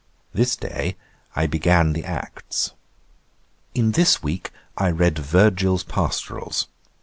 This day I began the Acts. 'In this week I read Virgil's Pastorals.